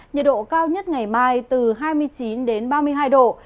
nhiệt độ cao nhất ngày mai từ hai mươi chín ba mươi hai độ